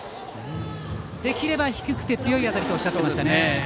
できれば低くて強い当たりとおっしゃっていましたね。